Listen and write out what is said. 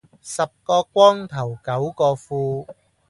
十個光頭九個富